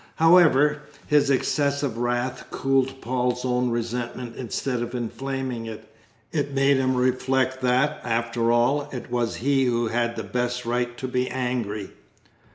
However, his excessive wrath cooled Paul's own resentment instead of inflaming it; it made him reflect that, after all, it was he who had the best right to be angry.